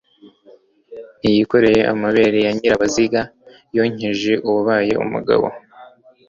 Ntiyikore amabere ya Nyirabaziga, Yonkeje uwabaye umugabo